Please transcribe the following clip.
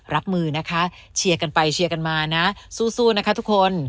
รับมือนะคะเชียร์กันไปเชียร์กันมานะสู้นะคะทุกคน